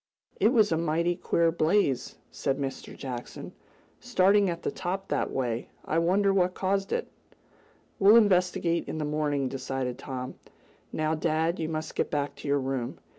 "It was a mighty queer blaze," said Mr. Jackson, "starting at the top that way. I wonder what caused it?" "We'll investigate in the morning," decided Tom. "Now, dad, you must get back to your room."